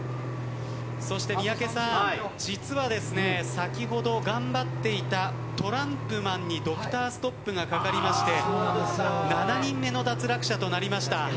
そして三宅さん実はですね先ほど頑張っていたトランプマンにドクターストップがかかりまして７人目の脱落者となりました。